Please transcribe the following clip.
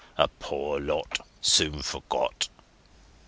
A poor lot, soon forgot."